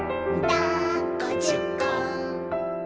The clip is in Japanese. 「だっこじゅっこ」